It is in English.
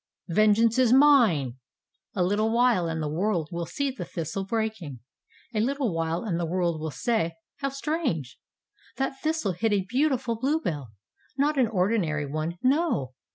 ^'Vengeance is mine!" A little while and the world will see the thistle breaking. A little while and the world will say: "How strange ! That thistle hid a beautiful bluebell. Not an ordinary one — no!